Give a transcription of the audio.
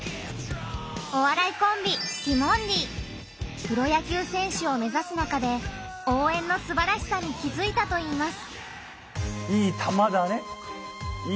お笑いコンビプロ野球選手を目指す中で「応援」のすばらしさに気づいたといいます。